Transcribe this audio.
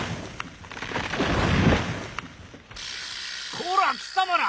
こら貴様ら！